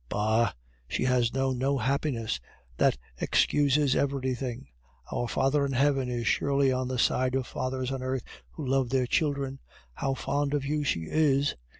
Bah! she has known no happiness, that excuses everything. Our Father in heaven is surely on the side of fathers on earth who love their children. How fond of you she is!"